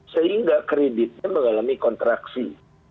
sehingga kreditnya mengalami kontraksi